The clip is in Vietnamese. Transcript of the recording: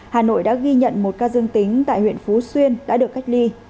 hà nội đã ghi nhận một ca dương tính tại huyện phú xuyên đã được cách ly